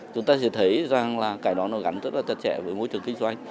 chúng ta sẽ thấy rằng cái đó gắn rất chặt chẽ với môi trường kinh doanh